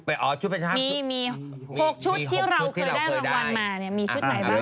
มี๖ชุดที่เราเคยได้รางวัลมา